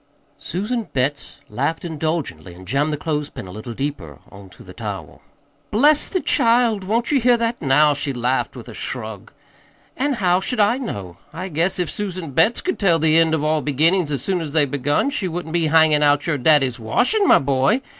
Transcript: Susan Betts laughed indulgently and jammed the clothespin a little deeper on to the towel. "Bless the child! Won't ye hear that, now?" she laughed with a shrug. "An' how should I know? I guess if Susan Betts could tell the end of all the beginnin's as soon as they're begun, she wouldn't be hangin' out your daddy's washin', my boy.